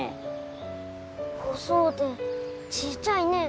細うてちいちゃいね。